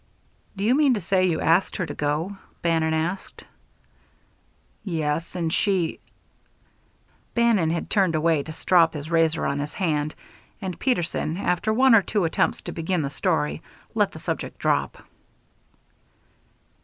"Do you mean to say you asked her to go?" Bannon asked. "Yes, and she " Bannon had turned away to strop his razor on his hand, and Peterson, after one or two attempts to begin the story, let the subject drop.